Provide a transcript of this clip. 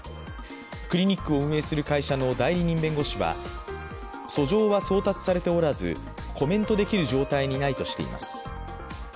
クリニックを運営する会社の代理人弁護士は、訴状は送達されておらず、コメントできる状態にないとしています。